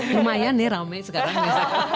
lumayan ya rame sekarang